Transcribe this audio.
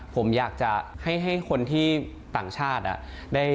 ผมอยากจะให้คนที่ต่างชาติ